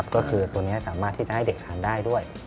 ก็คือตัวนี้สามารถที่จะให้เด็กทานได้ด้วย